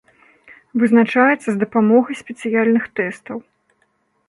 Вызначаецца з дапамогай спецыяльных тэстаў.